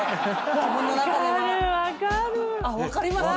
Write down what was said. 分かります？